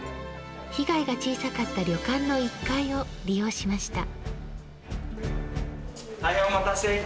被害が小さかった旅館の１階を利用しました。